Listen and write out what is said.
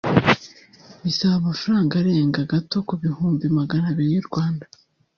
bisaba amafaranga arenga gato ku bihumbi magana abiri y'u Rwanda